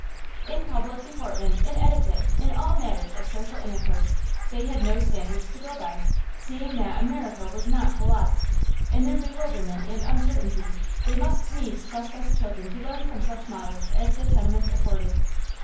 In public deportment, in etiquette, in all matters of social intercourse, they had no standards to go by, seeing that America was not Polotzk. In their bewilderment and uncertainty they needs must trust us children to learn from such models as the tenements afforded.